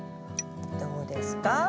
どうですか？